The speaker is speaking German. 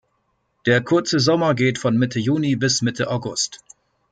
Der kurze Sommer geht von Mitte Juni bis Mitte August.